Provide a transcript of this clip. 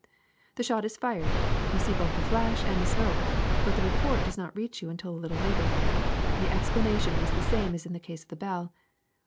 The shot is fired, you see both the flash and the smoke, but the report does not reach you until a little later. The explanation is the same as in the case of the bell.